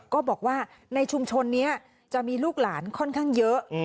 ก็บอกว่าในชุมชนนี้จะมีลูกหลานค่อนข้างเยอะ